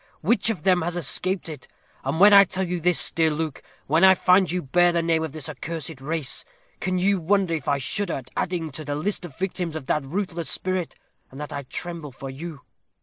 Which of them has escaped it? And when I tell you this, dear Luke; when I find you bear the name of this accursed race, can you wonder if I shudder at adding to the list of the victims of that ruthless spirit, and that I tremble for you?